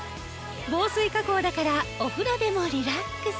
防水加工だからお風呂でもリラックス。